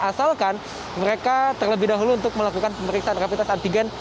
asalkan mereka terlebih dahulu untuk melakukan pemeriksaan rapid test antigen